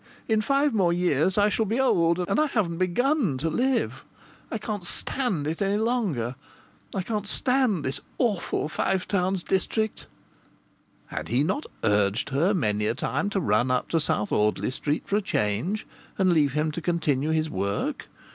In five more years I shall be old, and I haven't begun to live. I can't stand it any longer. I can't stand this awful Five Towns district " Had he not urged her many a time to run up to South Audley Street for a change, and leave him to continue his work?